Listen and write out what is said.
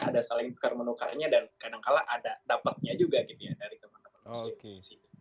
ada saling tukar menukarnya dan kadangkala ada dapatnya juga gitu ya dari teman teman di sini